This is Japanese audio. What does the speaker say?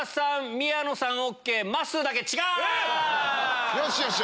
宮野さんＯＫまっすーだけ違う！